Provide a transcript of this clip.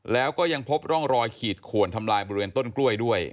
แล้วก็ยังพบร่องรอยขีดขวนทำลายบริเวณต้นกล้วยด้วย